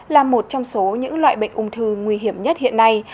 là một trong số những loại bệnh ung thư nguy hiểm nhất hiện nay